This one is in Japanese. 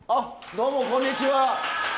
どうもこんにちは。